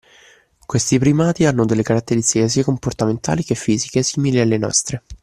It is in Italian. Questi primati hanno delle caratteristiche sia comportamentali che fisiche simili alle nostre.